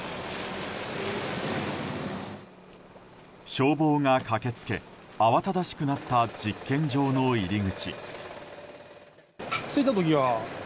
消防が駆け付け慌ただしくなった実験場の入り口。